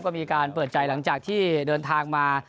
ก็มีการเปิดใจหลังจากที่เดินทางมา